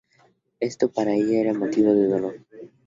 Esto para ella era motivo de dolor.